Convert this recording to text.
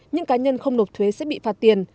những cá nhân không nộp thuế sẽ bị phạt tiền